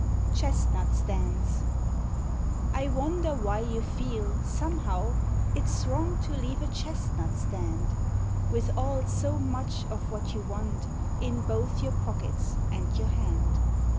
Chestnut Stands I wonder why you feel, somehow, It's wrong to leave a Chestnut stand, With all so much of what you want In both your pockets and your hand.